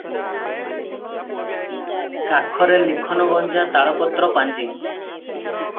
କାଖରେ ଲିଖନଗୁଞ୍ଜା ତାଳପତ୍ର-ପାଞ୍ଜି ।